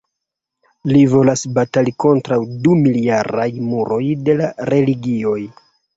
Li volas batali kontraŭ dumiljaraj muroj de la religioj.